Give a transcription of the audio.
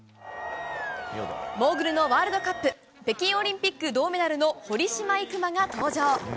モーグルのワールドカップ北京オリンピック銅メダルの堀島行真が登場。